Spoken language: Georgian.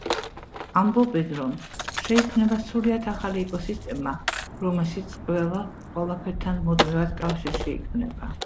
ამბობენ, რომ შეიქმნება სრულიად ახალი ეკოსისტემა, რომელშიც ყველა ყველაფერთან მუდმივად კავშირში იქნება.